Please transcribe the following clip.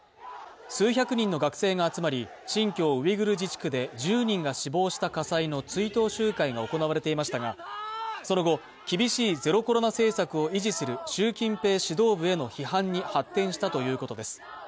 数百人の学生が集まり新疆ウイグル自治区で１０人が死亡した火災の追悼集会が行われていましたがその後、厳しいゼロコロナ政策を維持する習近平指導部への批判に発展したということです。